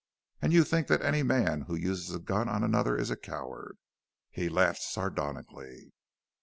And you think that any man who uses a gun on another is a coward?" He laughed sardonically.